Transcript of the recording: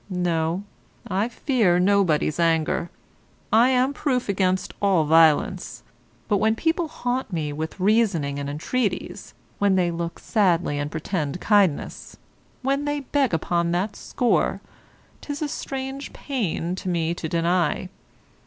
No, I fear nobody's anger. I am proof against all violence; but when people haunt me with reasoning and entreaties, when they look sadly and pretend kindness, when they beg upon that score, 'tis a strange pain to me to deny.